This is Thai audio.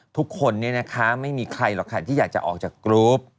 ทุกคนเนี่ยนะคะไม่มีใครหรอกค่ะที่อยากจะออกจากกรุ๊ป